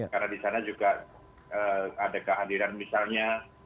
karena di sana juga ada kehadiran misalnya